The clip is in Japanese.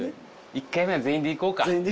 １回目は全員で行こうか。